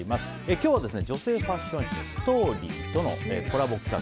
今日は女性ファッション誌の「ＳＴＯＲＹ」とのコラボ企画。